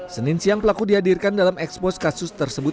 senin siang pelaku dihadirkan dalam ekspos kasus tersebut